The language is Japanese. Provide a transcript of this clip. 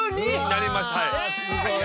なりましたはい。